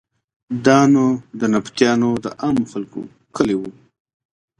دا نو د نبطیانو د عامو خلکو کلی و.